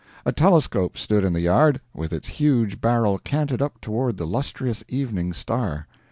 A telescope stood in the yard, with its huge barrel canted up toward the lustrous evening star.